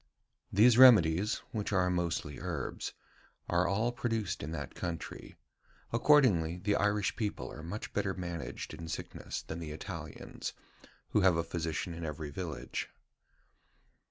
These remedies [which are mostly herbs], are all produced in that country. Accordingly, the Irish people are much better managed in sickness than the Italians, who have a physician in every village."